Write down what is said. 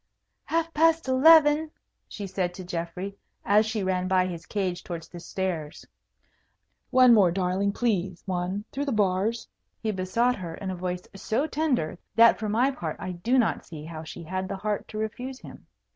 "Half past eleven," she said to Geoffrey, as she ran by his cage towards the stairs. "One more, darling, please, one! through the bars!" he besought her, in a voice so tender, that for my part I do not see how she had the heart to refuse him.